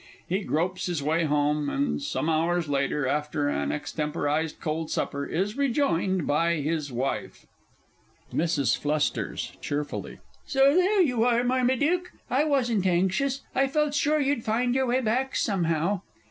He gropes his way home, and some hours later, after an extemporised cold supper, is rejoined by his Wife. MRS. F. (cheerfully). So there you are, Marmaduke! I wasn't anxious I felt sure you'd find your way back somehow!